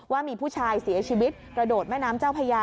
ว่ามีผู้ชายเสียชีวิตกระโดดแม่น้ำเจ้าพญา